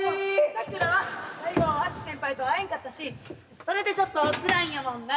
サクラは最後アッシュ先輩と会えんかったしそれでちょっとつらいんやもんなあ。